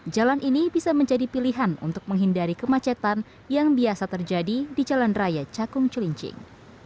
jalan ini bisa menjadi pilihan untuk menghindari kemacetan yang biasa terjadi di jalan raya cakung culincing